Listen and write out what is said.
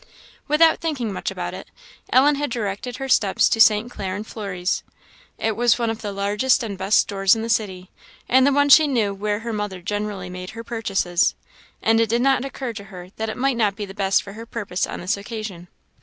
Without thinking much about it, Ellen had directed her steps to St.Clair and Fleury's. It was one of the largest and best stores in the city, and the one she knew where her mother generally made her purchases; and it did not occur to her that it might not be the best for her purpose on this occasion.